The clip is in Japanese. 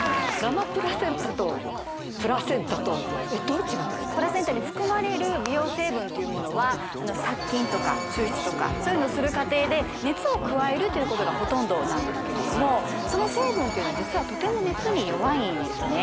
こちらですやった・すごいプラセンタに含まれる美容成分というものはあの殺菌とか抽出とかそういうのをする過程で熱を加えるということがほとんどなんですけれどもその成分というのは実はとても熱に弱いんですね